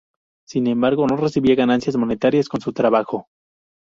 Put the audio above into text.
Sin embargo, no recibía ganancias monetarias con su trabajo.